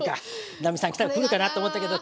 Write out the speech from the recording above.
奈実さん来たら来るかなと思ったけど。